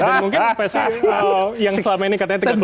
dan mungkin psi yang selama ini katanya tiga puluh lima persidangan